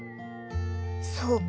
そうか。